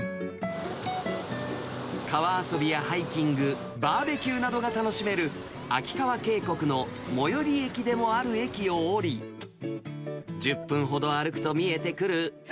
川遊びやハイキング、バーベキューなどが楽しめる、秋川渓谷の最寄り駅でもある駅を降り、１０分ほど歩くと見えてくる、